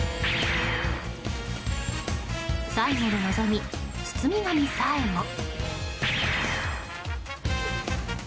最後の望み、包み紙さえも。